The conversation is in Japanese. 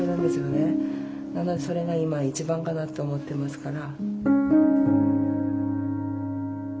なのでそれが今は一番かなって思ってますから。